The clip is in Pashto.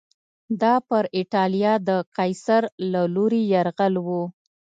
دا پر اېټالیا د قیصر له لوري یرغل و